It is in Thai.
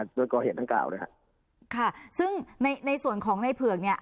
โดยก่อเหตุดังกล่าวเลยฮะค่ะซึ่งในในส่วนของในเผือกเนี่ย